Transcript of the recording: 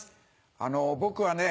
あの僕はね